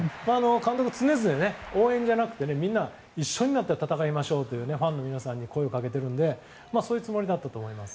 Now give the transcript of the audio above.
監督、常々、応援じゃなくてみんな一緒になって戦いましょうとファンの皆さんに声をかけているのでそういうつもりだったと思います。